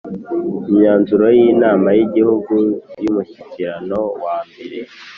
Imyanzuro y inama y Igihugu y Umushyikirano wa mbere